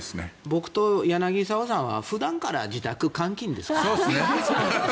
僕と柳澤さんは普段から自宅監禁ですから。